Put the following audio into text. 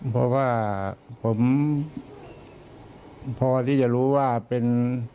เพราะว่าผมพอที่จะรู้ว่าเป็น